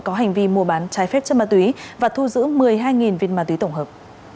có hành vi mua bán trái phép chất ma túy và thu giữ một mươi hai viên ma túy tổng hợp